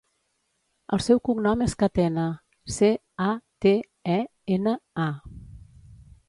El seu cognom és Catena: ce, a, te, e, ena, a.